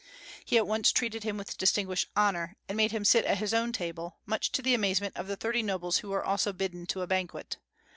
He at once treated him with distinguished honor, and made him sit at his own table, much to the amazement of the thirty nobles who also were bidden to a banquet.